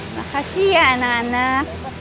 makasih ya anak anak